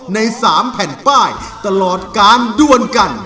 ใน๓แผ่นป้ายตลอดการด้วนกัน